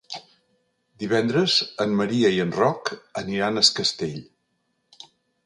Divendres en Maria i en Roc aniran a Es Castell.